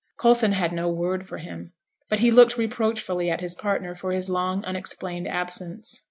Coulson had no word for him, but he looked reproachfully at his partner for his long, unexplained absence.